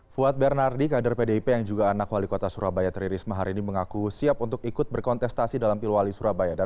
fuad bernardi kader pdip yang juga anak wali kota surabaya tri risma hari ini mengaku siap untuk ikut berkontestasi dalam pilwali surabaya